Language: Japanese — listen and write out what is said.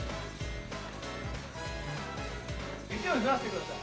雪を降らせてください。